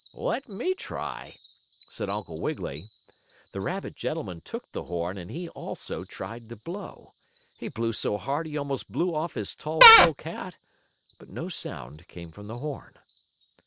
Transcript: "Let me try," said Uncle Wiggily. The rabbit gentleman took the horn and he, also, tried to blow. He blew so hard he almost blew off his tall silk hat, but no sound came from the horn.